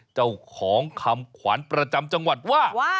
เจ้าของคำขวัญประจำจังหวัดว่า